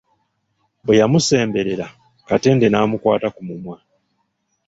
Bwe yamusemberera, Katende n'amukwata ku mumwa.